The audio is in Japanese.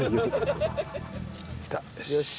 よし。